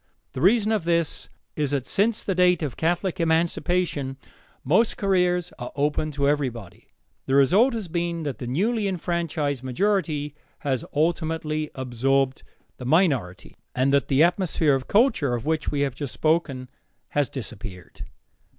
The reason of this is that since the date of Catholic emancipation, most careers are open to everybody. The result has been that the newly enfranchised majority has ultimately absorbed the minority, and that the atmosphere of culture, of which we have just spoken, has disappeared.